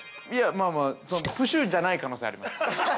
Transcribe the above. ◆まあまあ、プシュじゃない可能性があります。